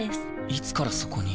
いつからそこに？